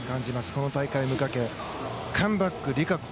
この大会にかけカムバック璃花子